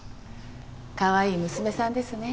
かわいい娘さんですね。